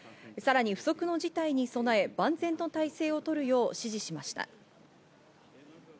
さらに不測の事態に備え万全の態勢をとるよう指示しました。